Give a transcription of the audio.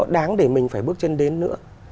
đáng để mình phải bước chân đến nữa